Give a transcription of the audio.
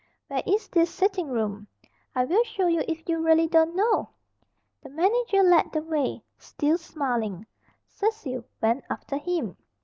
"Where is this sitting room?" "I will show you if you really don't know." The manager led the way still smiling. Cecil went after him.